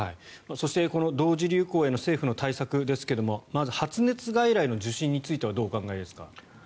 そして同時流行への政府の対策ですがまず、発熱外来の受診についてはどうお考えですか？